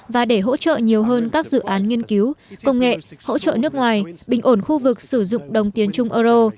và để hỗ trợ nhiều hơn các dự án nghiên cứu công nghệ hỗ trợ nước ngoài bình ổn khu vực sử dụng đồng tiền chung euro